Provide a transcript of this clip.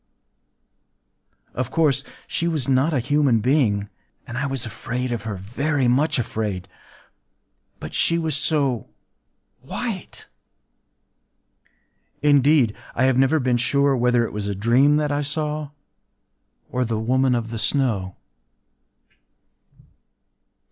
Of course, she was not a human being; and I was afraid of her,—very much afraid,—but she was so white!... Indeed, I have never been sure whether it was a dream that I saw, or the Woman of the Snow.